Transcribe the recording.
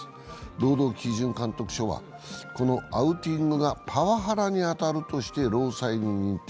労働基準監督署は、このアウティングがパワハラに当たるとして労災に認定。